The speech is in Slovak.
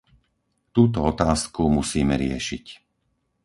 Túto otázku musíme riešiť.